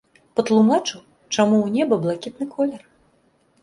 Патлумачыў чаму ў неба блакітны колер.